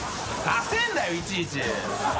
ダセえんだよいちいち！